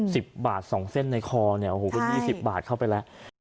สิบบาทสองเส้นในคอเนี่ยโอ้โหก็ยี่สิบบาทเข้าไปแล้ว